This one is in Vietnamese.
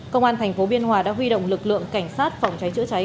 công an thành phố biên hòa đã huy động lực lượng cảnh sát phòng cháy chữa cháy